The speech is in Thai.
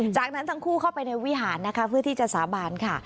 จากนั้นทั้งคู่เข้าไปในวิหารนะคะเพื่อที่จะสาบานค่ะ